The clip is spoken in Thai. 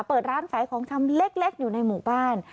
เปิดร้านขายของชำเล็กอยู่ในหมู่บ้าน